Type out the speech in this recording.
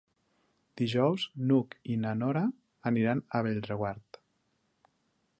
Dijous n'Hug i na Nora aniran a Bellreguard.